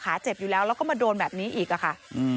เจ็บอยู่แล้วแล้วก็มาโดนแบบนี้อีกอะค่ะ